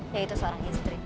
yaitu seorang istri